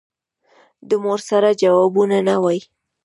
د مور سره جوابونه وايي.